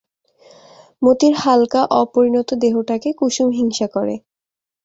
মতির হালকা অপরিণত দেহটাকে কুসুম হিংসা করে।